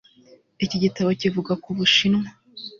Iki gitabo kivuga ku Bushinwa